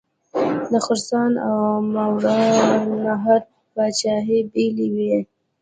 د خراسان او ماوراءالنهر پاچهي بېلې وې.